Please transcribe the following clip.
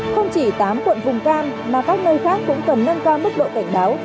không chỉ tám quận vùng cam mà các nơi khác cũng cần nâng cao mức độ cảnh báo